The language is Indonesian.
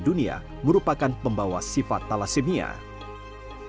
indonesia termasuk indonesia indonesia yang memiliki penyakit yang berbeda dengan dunia